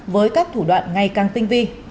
với các thủ đoạn ngày càng tinh vi